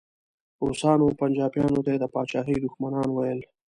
روسانو او پنجابیانو ته یې د پاچاهۍ دښمنان ویل.